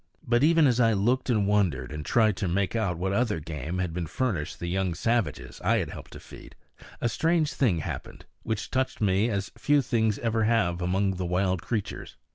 But even as I looked and wondered, and tried to make out what other game had been furnished the young savages I had helped to feed, a strange thing happened, which touched me as few things ever have among the wild creatures.